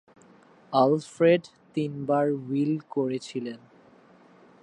Alfred তিনবার will করেছিলেন।